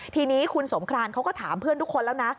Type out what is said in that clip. ทีนี้คุณสงครานเขาก็ถามเพื่อนทุกคนแล้วนะ